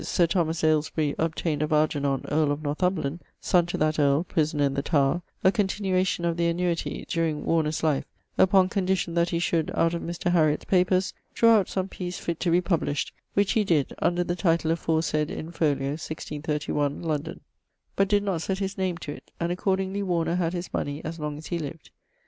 Sir Thomas Alesbury obtained of Algernon, earle of Northumberland (son to that earle, prisoner in the Tower), a continuation of the annuity, dureing Warner's life, upon condition that he should, out of Mr. Hariot's papers, drawe out some piece fitt to be published, which he did, under the title aforesayd, in folio, 1631, London: but did not sett his name to it, and accordingly Warner had his money as long as he lived.